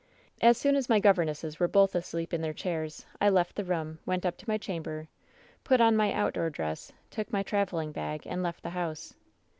"As soon as my governesses were both asleep in their chairs, I left the room, went up to my chamber, put on my outdoor dress, took my traveling bag and left the house.